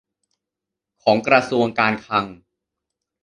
ของกระทรวงการคลัง